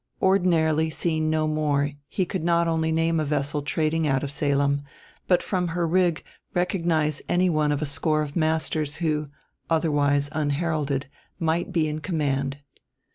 Ordinarily seeing no more he could not only name a vessel trading out of Salem, but from her rig recognize anyone of a score of masters who, otherwise unheralded, might be in command.